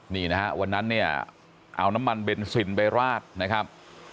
นี่นะฮะวันนั้นเนี่ยเอาน้ำมันเบนซินไปราดนะครับ